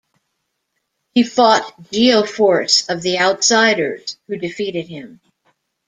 He fought Geo-Force of The Outsiders who defeated him.